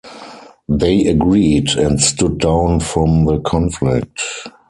They agreed, and stood down from the conflict.